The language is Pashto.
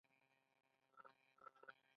آیا د قالیو اوبدل د ترکمنو او پښتنو ګډ هنر نه دی؟